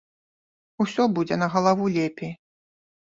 Усё будзе на галаву лепей.